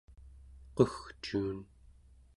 qugcuun